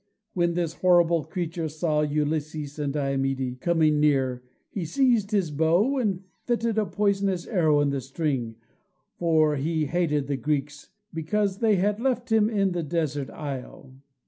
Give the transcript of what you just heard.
When this horrible creature saw Ulysses and Diomede coming near, he seized his bow and fitted a poisonous arrow to the string, for he hated the Greeks, because they had left him in the desert isle.